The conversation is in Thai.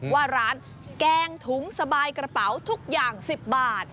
ว่าร้านแกงถุงสบายกระเป๋าทุกอย่าง๑๐บาท